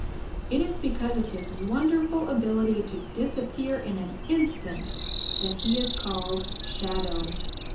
It is because of his wonderful ability to disappear in an instant that he is called Shadow.